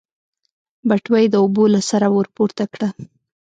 بټوه يې د اوبو له سره ورپورته کړه.